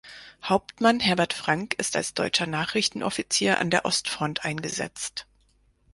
Hauptmann Herbert Frank ist als deutscher Nachrichtenoffizier an der Ostfront eingesetzt.